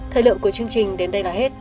thời lượng của chương trình đến đây là hết